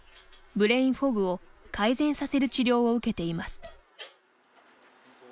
ブレインフォグを改善させる治療を受けています。